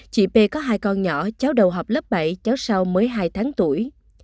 chị p có hai con nhỏ cháu đầu học lớp bảy cháu sau mới hai tháng tuổi